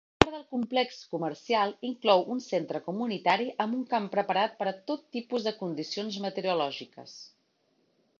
Part del complex comercial inclou un centre comunitari amb un camp preparat per a tot tipus de condicions meteorològiques.